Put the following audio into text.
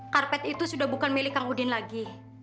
karpet itu sudah bukan milik kang udin lagi